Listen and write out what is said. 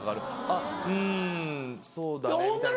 「あっうんそうだね」みたいな。